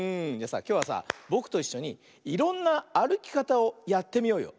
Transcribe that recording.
きょうはさぼくといっしょにいろんなあるきかたをやってみようよ。